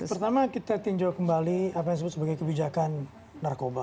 pertama kita tinjau kembali apa yang disebut sebagai kebijakan narkoba